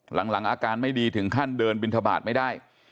หลังอาการไม่ดีถึงขั้นเดินบินทบาทไม่ได้